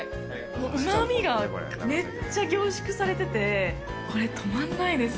うまみがめっちゃ凝縮されててこれ止まんないです。